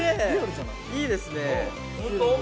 いいですね